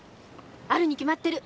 あるに決まってる！